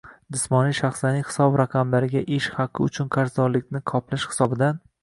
– jismoniy shaxslarning hisob raqamlariga ish haqi uchun qarzdorlikni qoplash hisobidan